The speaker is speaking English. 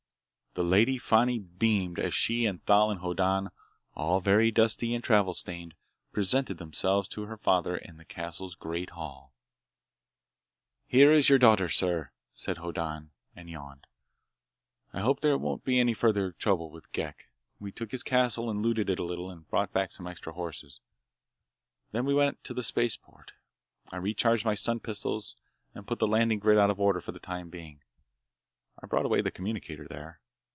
The Lady Fani beamed as she and Thal and Hoddan, all very dusty and travel stained, presented themselves to her father in the castle's great hall. "Here's your daughter, sir," said Hoddan, and yawned. "I hope there won't be any further trouble with Ghek. We took his castle and looted it a little and brought back some extra horses. Then we went to the spaceport. I recharged my stun pistols and put the landing grid out of order for the time being. I brought away the communicator there."